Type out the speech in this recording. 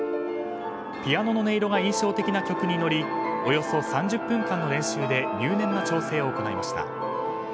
ピアノの音色が印象的な曲に乗りおよそ３０分間の練習で入念な調整を行いました。